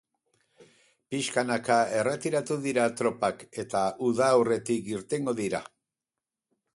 Pixkanaka erretiratuko dira tropak eta uda aurretik irtengo dira.